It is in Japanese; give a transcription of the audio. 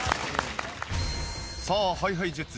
さあＨｉＨｉＪｅｔｓ